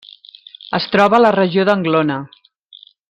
Es troba a la regió d'Anglona.